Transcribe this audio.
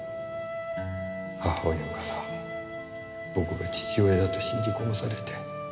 母親から僕が父親だと信じ込まされて。